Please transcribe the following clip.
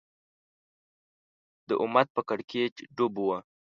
دا امت په کړکېچ ډوب و